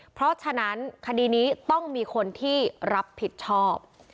เพราะฉะนั้นคดีนี้ต้องมีคนที่รับผิดชอบ